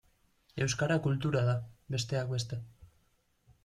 Euskara kultura da, besteak beste.